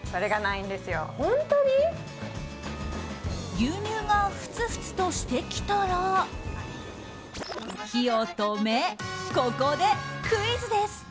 牛乳がふつふつとしてきたら火を止め、ここでクイズです。